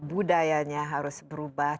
budaya nya harus berubah